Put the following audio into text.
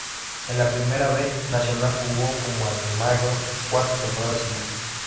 En la Primera B Nacional jugó para Almagro cuatro temporadas seguidas.